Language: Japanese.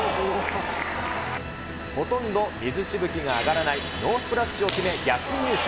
ほとんど水しぶきが上がらないノースプラッシュを決め、逆転優勝。